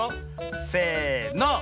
せの。